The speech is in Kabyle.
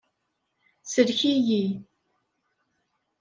Sellek-iyi.